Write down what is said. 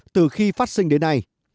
từ khi phát sinh đến nay